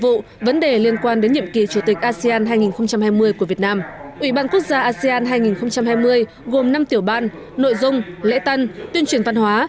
ủy ban quốc gia asean hai nghìn hai mươi gồm năm tiểu ban nội dung lễ tân tuyên truyền văn hóa